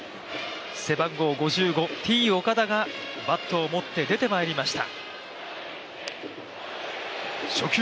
背番号５５、Ｔ−岡田がバットを持って出てまいりました。